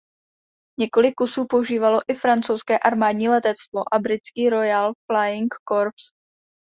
Několik kusů používalo i Francouzské armádní letectvo a britský "Royal Flying Corps".